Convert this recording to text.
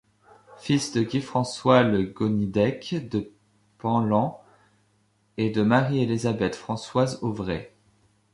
Fils de Guy-François Le Gonidec de Penlan et de Marie-Elisabeth-Françoise Auvray.